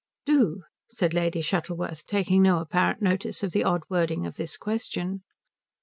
"Do," said Lady Shuttleworth, taking no apparent notice of the odd wording of this question.